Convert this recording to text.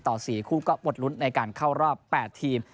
ต่อ๔คู่ก็หมดลุ้นในการเข้ารอบ๘ทีม